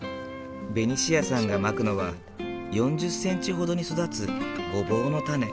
ベニシアさんがまくのは４０ｃｍほどに育つゴボウの種。